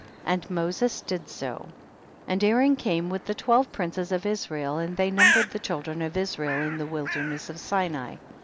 19. And Moses did so, and Aaron came with the twelve princes of Is. rael, and they numbered the children of Israel in the wilderness of Sinai.